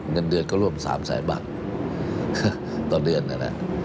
เงินเดือนก็ร่วม๓๐๐๐๐๐บาทต่อเดือนนั่นนะ